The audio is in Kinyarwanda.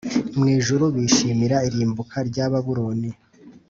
Mu ijuru bishimira irimbuka rya Babuloni